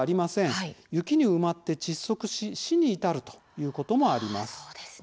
雪に埋まって窒息し死に至るということもあります。